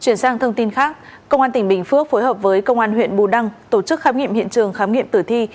chuyển sang thông tin khác công an tỉnh bình phước phối hợp với công an huyện bù đăng tổ chức khám nghiệm hiện trường khám nghiệm tử thi